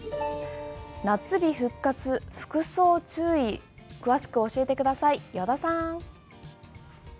夏日復活、服装注意詳しく教えてください依田さん。